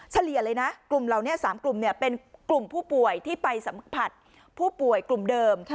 เลี่ยเลยนะกลุ่มเหล่านี้๓กลุ่มเป็นกลุ่มผู้ป่วยที่ไปสัมผัสผู้ป่วยกลุ่มเดิม